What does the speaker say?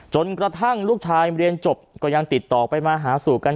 จนกระทั่งลูกชายเรียนจบก็ยังติดต่อไปมาหาสู่กัน